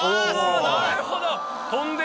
・なるほど！